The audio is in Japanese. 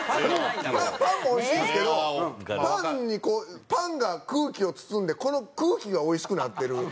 パンもおいしいんですけどパンにこうパンが空気を包んでこの空気がおいしくなってる。